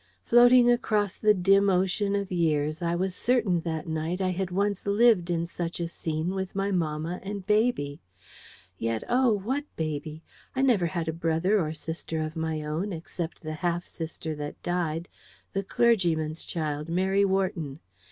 Floating across the dim ocean of years, I was certain that night I had once lived in such a scene, with my mamma, and baby. Yet oh, what baby? I never had a brother or sister of my own, except the half sister that died the clergyman's child, Mary Wharton.